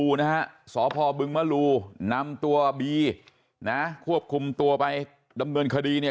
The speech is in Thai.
นะฮะสพบึงมลูนำตัวบีนะควบคุมตัวไปดำเนินคดีเนี่ย